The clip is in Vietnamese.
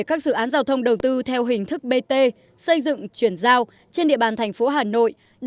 các dự án giao thông đầu tư theo hình thức bt xây dựng chuyển giao trên địa bàn thành phố hà nội